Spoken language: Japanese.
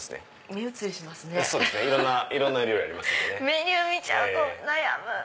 メニュー見ちゃうと悩む！